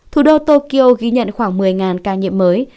thủ đô tokyo ghi nhận khoảng một mươi ca nhiễm mới